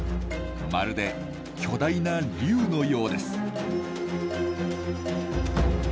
まるで巨大な竜のようです。